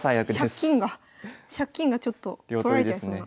飛車金が飛車金がちょっと取られちゃいそうな。